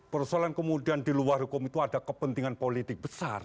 persoalan kemudian di luar hukum itu ada kepentingan politik besar